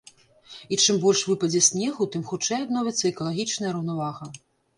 І чым больш выпадзе снегу, тым хутчэй адновіцца экалагічная раўнавага.